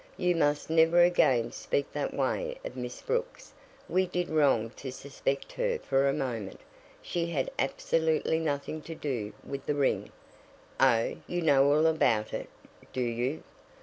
"You must never again speak that way of Miss Brooks. We did wrong to suspect her for a moment. She had absolutely nothing to do with the ring." "Oh, you know all about it, do you?